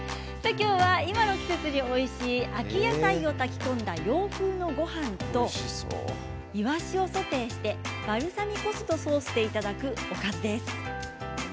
今日は今の季節においしい秋野菜を炊き込んだ洋風のごはんといわしをソテーしてバルサミコ酢のソースでいただくおかずです。